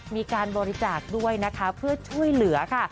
มีการบริจาคด้วยนะคะเพื่อช่วยเหลือค่ะ